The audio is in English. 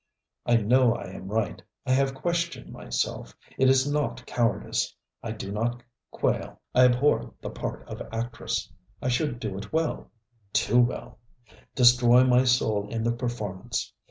I know I am right. I have questioned myself it is not cowardice. I do not quail. I abhor the part of actress. I should do it well too well; destroy my soul in the performance.